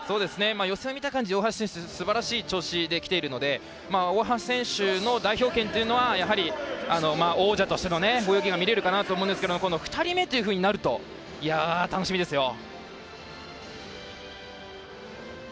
予選を見た感じ大橋選手、すばらしい調子できているので大橋選手の代表権というのは王者としての泳ぎが見れるかなと思うんですけど２人目となると楽しみですよ。